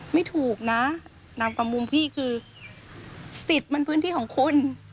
ไม่ถูกนะนามกับมุมพี่คือสิทธิ์มันพื้นที่ของคน